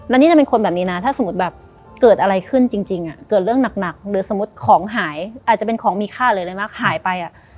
แล้วนี่จะเป็นคนแบบนี้นะถ้าสมมุติแบบเกิดอะไรขึ้นจริงเกิดเรื่องหนักหรือสมมุติของหายอาจจะเป็นของมีค่าหรืออะไรมากหายไปอ่ะ